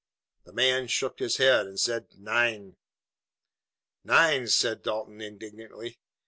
The man shook his head and said, "Nein." "Nine!" said Dalton indignantly.